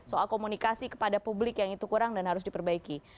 soal komunikasi kepada publik yang itu kurang dan harus diperbaiki